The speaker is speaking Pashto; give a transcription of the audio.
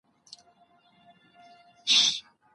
خپلي وړتیاوې وپېژنئ او ارزښت ورکړئ.